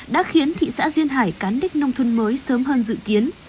đã khiến thị xã duyên hải cán đích nông thôn mới sớm hơn dự kiến